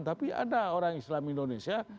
tapi ada orang islam indonesia